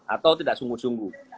atau tidak sungguh sungguh